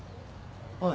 おい。